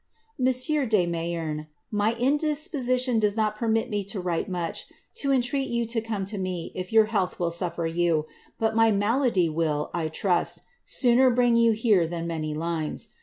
• Monsieur de Mnyerney " My indisposition does not permit me to write much, to entreat you to come to me if your health will suffer you ; but my malady will, I trust, sooner bring jou here than many lines.